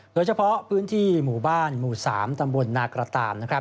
โดยเฉพาะพื้นที่หมู่บ้านหมู่สามตำบลนาตรตาม